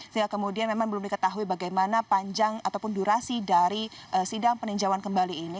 sehingga kemudian memang belum diketahui bagaimana panjang ataupun durasi dari sidang peninjauan kembali ini